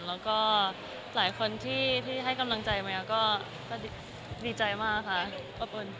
แล้วหลายคนที่ให้กำลังใจเมียก็ดีใจมากค่ะ